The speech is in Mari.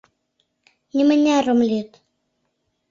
Нимыняр ом лӱд!